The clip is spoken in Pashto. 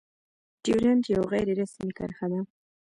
ډيورنډ يو غير رسمي کرښه ده.